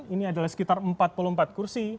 ini adalah sekitar empat puluh empat kursi